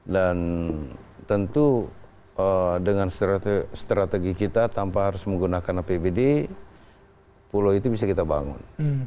dan tentu dengan strategi kita tanpa harus menggunakan apbd pulau itu bisa kita bangun